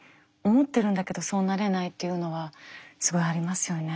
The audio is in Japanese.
思ってるんだけどそうなれないっていうのはすごいありますよね。